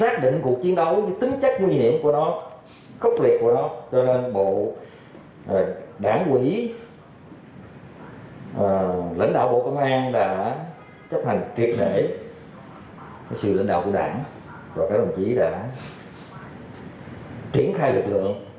các bộ công an đã chấp hành triệt để sự lãnh đạo của đảng và các đồng chí đã triển khai lực lượng